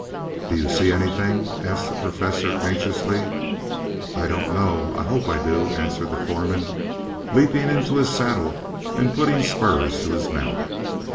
"Do you see anything?" asked the Professor anxiously. "I don't know. I hope I do," answered the foreman, leaping into his saddle and putting spurs to his mount.